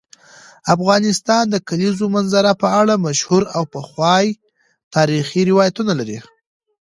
افغانستان د کلیزو منظره په اړه مشهور او پخواي تاریخی روایتونه لري.